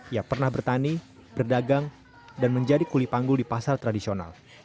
ia pernah bertani berdagang dan menjadi kuli panggul di pasar tradisional